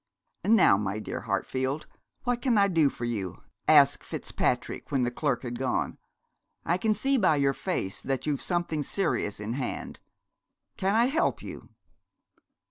'Now, my dear Hartfield, what can I do for you?' asked Fitzpatrick, when the clerk had gone. 'I can see by your face that you've something serious in hand. Can I help you?'